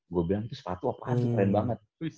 gue bilang itu sepatu apaan keren banget